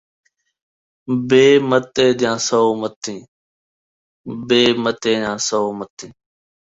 بے متے دیاں سو متیں